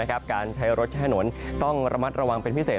การใช้รถใช้ถนนต้องระมัดระวังเป็นพิเศษ